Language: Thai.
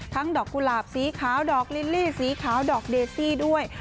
ดอกกุหลาบสีขาวดอกลิลลี่สีขาวดอกเดซี่ด้วย